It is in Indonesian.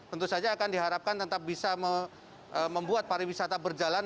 tentu saja akan diharapkan tetap bisa membuat pariwisata berjalan